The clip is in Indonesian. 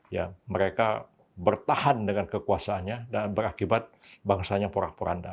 ya mereka bertahan dengan kekuasaannya dan berakibat bangsanya pura pura anda